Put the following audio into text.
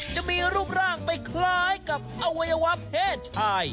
จะมีรูปร่างไปคล้ายกับอวัยวะเพศชาย